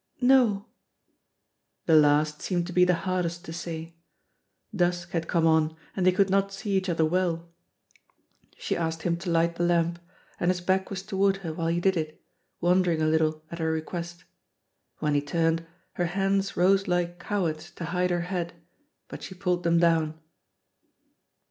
"No." The last seemed to be the hardest to say. Dusk had come on, and they could not see each other well. She asked him to light the lamp, and his back was toward her while he did it, wondering a little at her request. When he turned, her hands rose like cowards to hide her head, but she pulled them down.